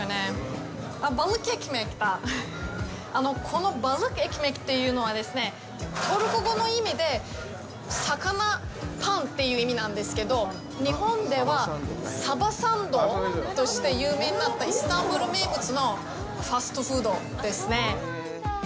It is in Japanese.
このバルック・エキメキというのは、トルコ語の意味で「魚パン」という意味なんですけど、日本ではサバサンドとして有名になった、イスタンブール名物のファストフードですね。